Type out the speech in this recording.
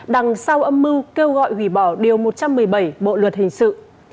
đằng sau âm mưu kêu gọi hủy bỏ điều một trăm một mươi bảy bộ luật hình sự